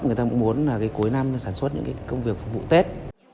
người ta cũng muốn là cuối năm sản xuất những công việc phục vụ tết